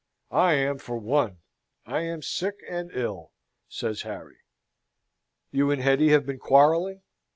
"I am for one. I am sick and ill," says Harry. "You and Hetty have been quarrelling?"